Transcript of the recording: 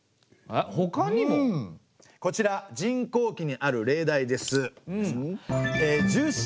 こちら「塵劫記」にある例題です。